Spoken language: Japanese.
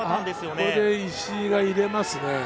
ここで石井が入れますね。